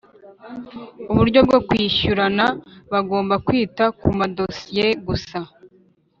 uburyo bwo kwishyurana bagomba kwita kumadosiye gusa